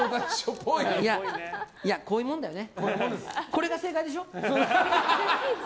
こういうもんだよね。